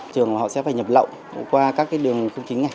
thường họ sẽ phải nhập lậu qua các đường không chính